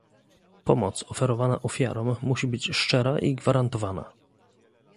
Pomoc oferowana ofiarom musi być szczera i gwarantowana